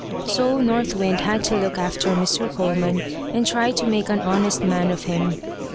So North Wind had to look after Mr. Coleman, and try to make an honest man of him.